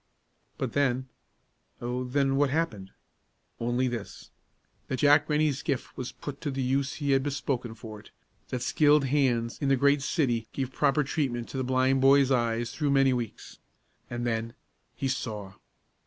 But then oh, then what happened? Only this: that Jack Rennie's gift was put to the use he had bespoken for it; that skilled hands in the great city gave proper treatment to the blind boy's eyes through many weeks, and then he saw!